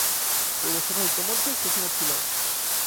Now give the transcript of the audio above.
পৌরসভা ইতোমধ্যে সেশনে ছিল।